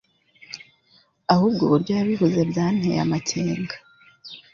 ahubwo uburyo yabivuze byanteye amakenga